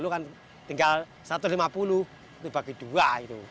lima puluh kan tinggal satu ratus lima puluh itu bagi dua